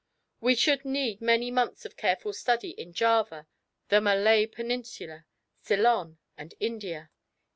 We should need many months of careful study in Java, the Malay Peninsula, Ceylon and India.